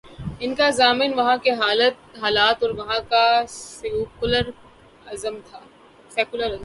ان کا ضامن وہاں کے حالات اور وہاں کا سیکولر ازم تھا۔